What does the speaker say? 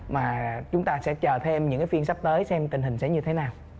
mà chúng ta sẽ chờ thêm những phiên sắp tới xem tình hình sẽ như thế nào